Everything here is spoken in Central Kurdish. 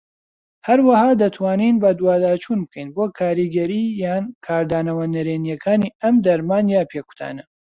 هەروەها دەتوانین بەدواداچوون بکەین بۆ کاریگەریی یان کاردانەوە نەرێنیەکانی ئەم دەرمان یان پێکوتانە.